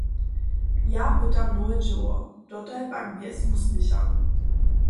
Ja pytam nowe dźěło, dotal pak bjez wuspěcha.